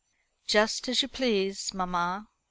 "Just as you please, mamma."